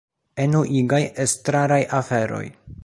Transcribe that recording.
Enuigaj estraraj aferoj